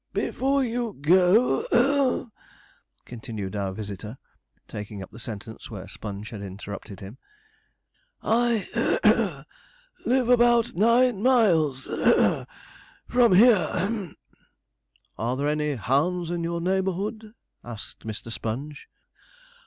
'Before you go (hem),' continued our visitor, taking up the sentence where Sponge had interrupted him; 'I (hem) live about nine miles (hem) from here (hem).' 'Are there any hounds in your neighbourhood?' asked Mr. Sponge.